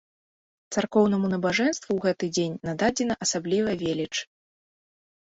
Царкоўнаму набажэнству ў гэты дзень нададзена асаблівая веліч.